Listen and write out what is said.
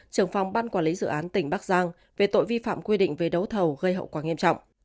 trưởng phòng ban quản lý dự án tỉnh bắc giang về tội vi phạm quy định về đấu thầu gây hậu quả nghiêm trọng